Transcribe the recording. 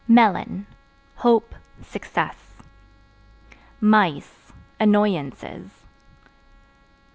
Melon Hope, Success. Mice Annoyances.